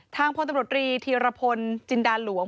พลตำรวจรีธีรพลจินดาหลวง